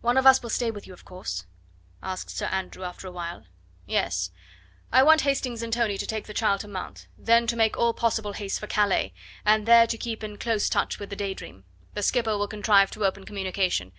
"One of us will stay with you, of course?" asked Sir Andrew after awhile. "Yes! I want Hastings and Tony to take the child to Mantes, then to make all possible haste for Calais, and there to keep in close touch with the Day Dream; the skipper will contrive to open communication.